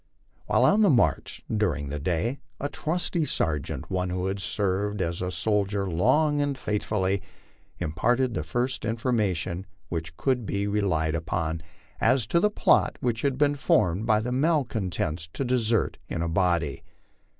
While on the march during the day, a trusty sergeant, one who had served as a soldier long and faithfully, imparted the first information which could be re lied upon as to the plot which had been formed by the malcontents to desert in a body.